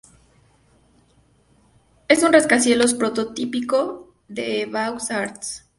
Es un rascacielos prototípico de Beaux-Arts.